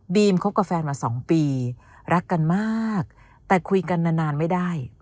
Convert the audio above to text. คบกับแฟนมา๒ปีรักกันมากแต่คุยกันนานไม่ได้